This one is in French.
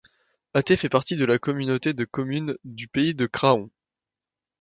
Athée fait partie de la communauté de communes du Pays de Craon.